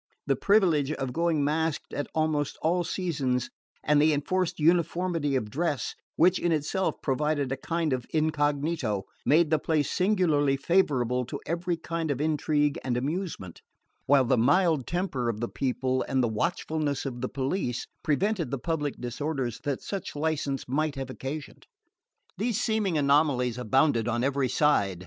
The privilege of going masked at almost all seasons and the enforced uniformity of dress, which in itself provided a kind of incognito, made the place singularly favourable to every kind of intrigue and amusement; while the mild temper of the people and the watchfulness of the police prevented the public disorders that such license might have occasioned. These seeming anomalies abounded on every side.